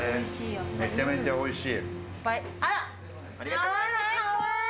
めちゃめちゃおいしい。